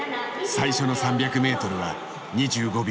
最初の３００ｍは２５秒２６。